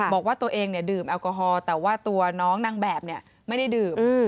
บอกว่าตัวเองดื่มแอลกอฮอล์แต่ว่าตัวน้องนางแบบไม่ได้ดื่ม